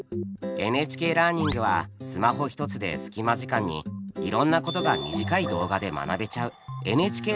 ＮＨＫラーニングはスマホ１つで隙間時間にいろんなことが短い動画で学べちゃうＮＨＫの新しいサービスです。